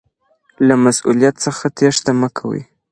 له مسؤلیت څخه تیښته مه کوئ.